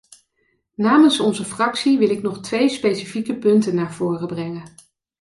Namens onze fractie wil ik nog twee specifieke punten naar voren brengen.